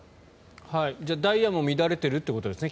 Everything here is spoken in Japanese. じゃあダイヤも乱れているということですね。